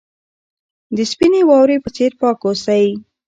د سپینې واورې په څېر پاک اوسئ.